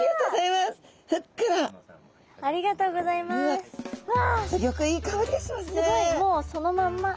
すごいもうそのまんま。